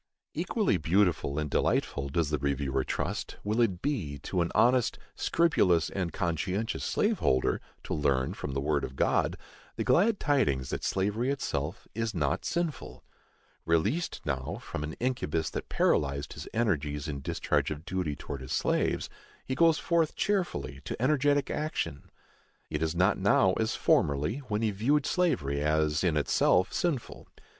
Equally beautiful and delightful, does the reviewer trust, will it be, to an honest, scrupulous and conscientious slave holder, to learn, from the word of God, the glad tidings that slavery itself is not sinful. Released now from an incubus that paralyzed his energies in discharge of duty towards his slaves, he goes forth cheerfully to energetic action. It is not now as formerly, when he viewed slavery as in itself sinful.